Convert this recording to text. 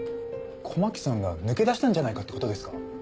狛木さんが抜け出したんじゃないかってことですか？